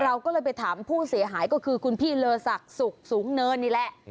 เราก็เลยไปถามผู้เสียหายก็คือคุณพี่เลอศักดิ์สุขสูงเนินนี่แหละ